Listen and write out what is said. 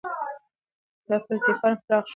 دا پلېټفارم پراخ شو.